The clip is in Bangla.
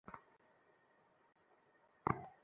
তাই এ ধরনের সবজি খাওয়া উচিত পরিমিতভাবে।